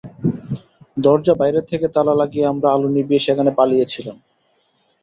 দরজা বাইরে থেকে তালা লাগিয়ে আমরা আলো নিভিয়ে সেখানে পালিয়ে ছিলাম।